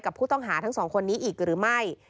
กับผู้ต้องหาทั้งสองคนนี้อีกหรือไม่